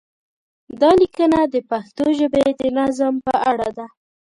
دا لیکنه د پښتو ژبې د نظم په اړه ده.